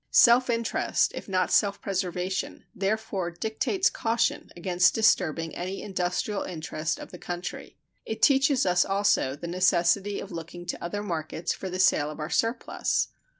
Self interest, if not self preservation, therefore dictates caution against disturbing any industrial interest of the country. It teaches us also the necessity of looking to other markets for the sale of our surplus.